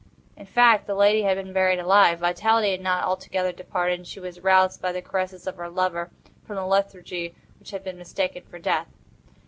In fact, the lady had been buried alive. Vitality had not altogether departed, and she was aroused by the caresses of her lover from the lethargy which had been mistaken for death.